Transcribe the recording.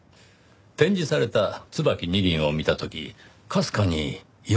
展示された『椿二輪』を見た時かすかに違和感を覚えました。